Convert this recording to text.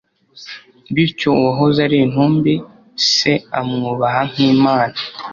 bityo uwahoze ari intumbi, se amwubaha nk'imana